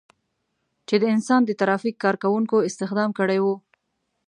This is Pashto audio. چې د انسان د ترافیک کار کوونکو استخدام کړي وو.